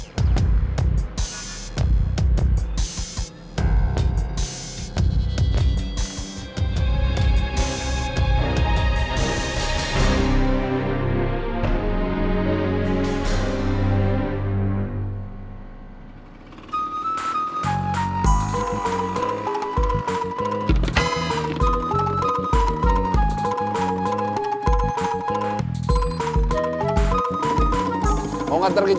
waktu komandan telepon